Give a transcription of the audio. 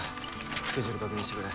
スケジュール確認してくれ。